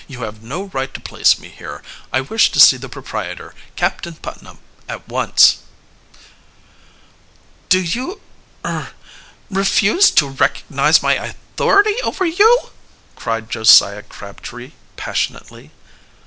You have no right to place me here. I wish to see the proprietor, Captain Putnam, at once." "Do you er refuse to recognize my authority over you?" cried Josiah Crabtree passionately.